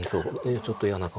ちょっと嫌な顔してる。